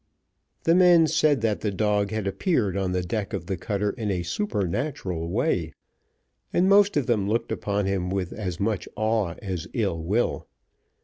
The men said that the dog had appeared on the deck of the cutter in a supernatural way, and most of them looked upon him with as much awe as ill will.